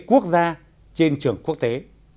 quốc gia trên trường quốc tế